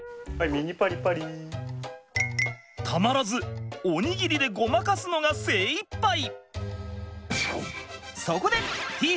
たまらずおにぎりでごまかすのが精いっぱい。